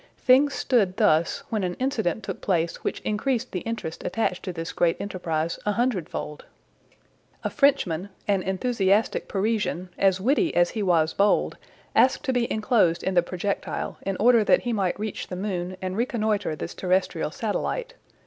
Things stood thus, when an incident took place which increased the interest attached to this great enterprise a hundredfold. A Frenchman, an enthusiastic Parisian, as witty as he was bold, asked to be enclosed in the projectile, in order that he might reach the moon, and reconnoiter this terrestrial satellite.